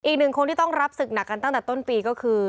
อีกหนึ่งคนที่ต้องรับศึกหนักกันตั้งแต่ต้นปีก็คือ